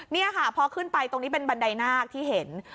นี่ค่ะพอขึ้นไปตรงนี้เป็นบันไดนาคที่เห็น